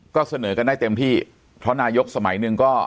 ก็เสนอกันได้เต็มที่เพราะนายกสมัยหนึ่งก็